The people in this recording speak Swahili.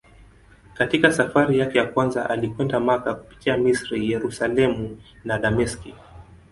Katika safari yake ya kwanza alikwenda Makka kupitia Misri, Yerusalemu na Dameski.